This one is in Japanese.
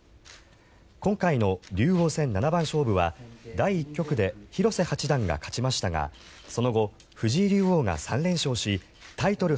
今回の竜王戦七番勝負は第１局で広瀬八段が勝ちましたがその後、藤井竜王が３連勝しタイトル